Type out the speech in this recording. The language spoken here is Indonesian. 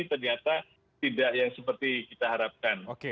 ternyata tidak yang seperti kita harapkan